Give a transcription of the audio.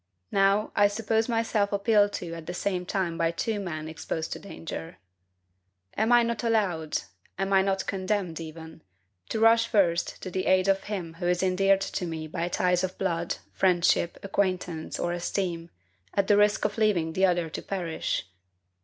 Now, I suppose myself appealed to at the same time by two men exposed to danger. Am I not allowed am I not commanded even to rush first to the aid of him who is endeared to me by ties of blood, friendship, acquaintance, or esteem, at the risk of leaving the other to perish?